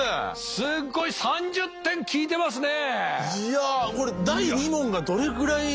すっごい３０点きいてますね。